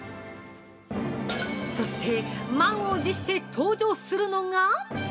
そして満を持して登場するのが◆